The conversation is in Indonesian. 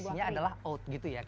isinya adalah out gitu ya